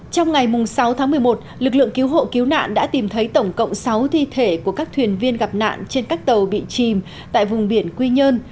trong ngày sáu tháng một mươi một lực lượng cứu hộ cứu nạn đã tìm thấy tổng cộng sáu thi thể của các thuyền viên gặp nạn trên các tàu bị chìm tại vùng biển quy nhơn